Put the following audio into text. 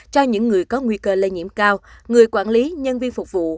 cho những người có nguy cơ lây nhiễm cao người quản lý nhân viên phục vụ